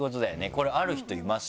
これある人います？